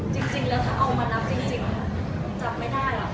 จริงแล้วถ้าเอามานับจริงจำไม่ได้หรอก